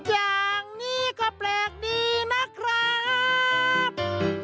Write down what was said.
อย่างนี้ก็แปลกดีนะครับ